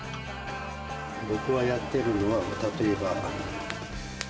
僕がやってるのは、例えば。